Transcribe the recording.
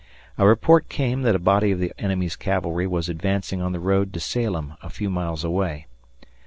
A report came that a body of the enemy's cavalry was advancing on the road to Salem, a few miles away.